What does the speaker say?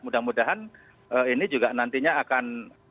mudah mudahan ini juga nantinya akan